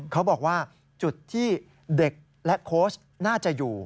เขาบอกว่าจุดที่เด็กและโค้ชน่าจะอยู่